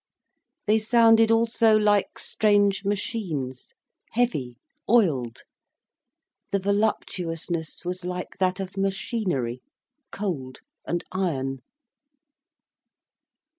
They sounded also like strange machines, heavy, oiled. The voluptuousness was like that of machinery, cold and iron.